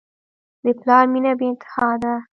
د پلار مینه بېانتها ده.